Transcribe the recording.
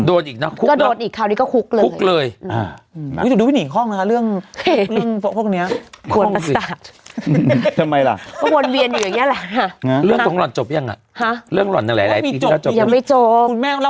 โดดอีกนะโดดอีกคราวนี่ก็คุกเลยคุกเลยอ่าหูย่งไม่ถูกยังไปหนีห้องนะคะ